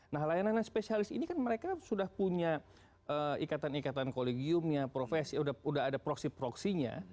nah layanan layanan spesialis ini kan mereka sudah punya ikatan ikatan kolegiumnya profesi udah ada proxy proxynya